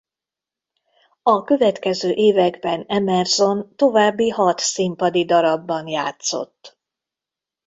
A következő években Emerson további hat színpadi darabban játszott.